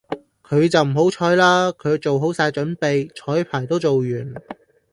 佢就唔好彩啦，佢做好曬準備，彩排都做完